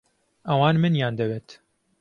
ئەوان منیان دەوێت.